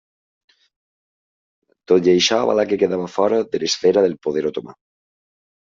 Tot i això Valàquia quedava fora de l'esfera del poder otomà.